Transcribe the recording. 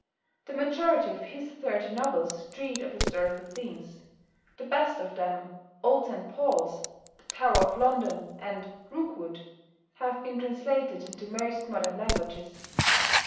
The majority of his thirty novels treat of historical themes. The best of them, "Old St Paul's," "The Tower of London," and "Rookwood," have been translated into most modern languages.